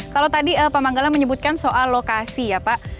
kalau tadi pak manggala menyebutkan soal lokasi ya pak